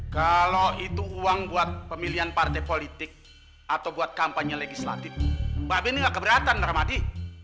kalau itu uang buat pemilihan partai politik atau buat kampanye legislatif babi ini gak keberatan ramadi